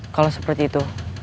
kalau seperti itu